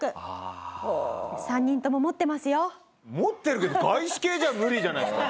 持ってるけど外資系じゃ無理じゃないですか？